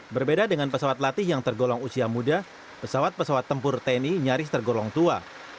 berbeda dengan pesawat latih yang tergolong usia muda pesawat pesawat tempur tni nyaris tergolong tua